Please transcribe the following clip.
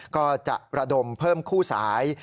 ก็จะระดมเพิ่มคู่สาย